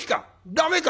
駄目か？